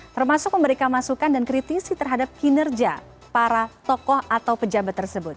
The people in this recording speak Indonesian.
termasuk memberikan masukan dan kritisi terhadap kinerja para tokoh atau pejabat tersebut